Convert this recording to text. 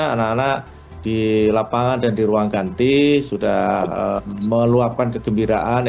anak anak di lapangan dan di ruang ganti sudah meluapkan kegembiraan